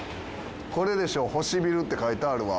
これでしょ「星ビル」って書いてあるわ。